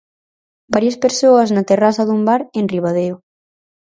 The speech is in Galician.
Varias persoas na terraza dun bar en Ribadeo.